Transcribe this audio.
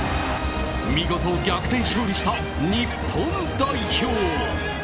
見事、逆転勝利した日本代表。